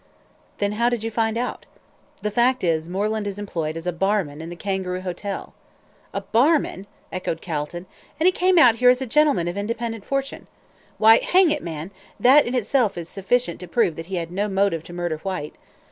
"Then how did you find out?" "The fact is, Moreland is employed as a barman in the Kangaroo Hotel." "A barman!" echoed Calton; "and he came out here as a gentleman of independent fortune. Why, hang it, man, that in itself is sufficient to prove that he had no motive to murder Whyte.